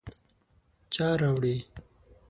_چا راوړې ؟